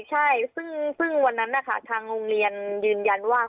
ใช่ซึ่งวันนั้นนะคะทางโรงเรียนยืนยันว่า